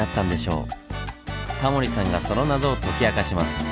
タモリさんがその謎を解き明かします。